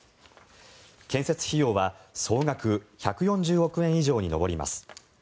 建設費用は総額１４０億円以上に上ります。